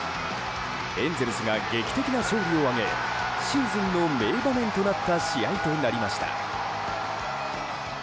エンゼルスが劇的な勝利を挙げシーズンの名場面となった試合となりました。